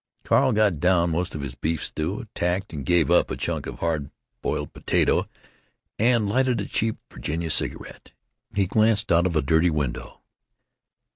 Carl got down most of his beef stew, attacked and gave up a chunk of hard boiled potato, and lighted a cheap Virginia cigarette. He glanced out of the dirty window.